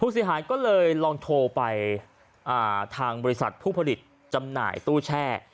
เสียหายก็เลยลองโทรไปทางบริษัทผู้ผลิตจำหน่ายตู้แช่